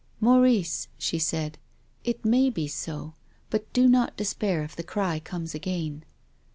" Maurice," she said, " it may base, but do not despair if the cry comes again."